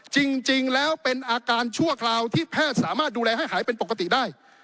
จริงแล้วเป็นอาการชั่วคราวที่แพทย์สามารถดูแลให้หายเป็นปกติได้